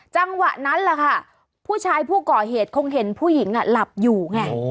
จังหวะนั้นแหละค่ะผู้ชายผู้ก่อเหตุคงเห็นผู้หญิงหลับอยู่ไง